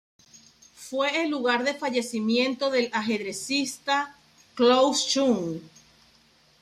Fue el lugar de fallecimiento del ajedrecista Klaus Junge.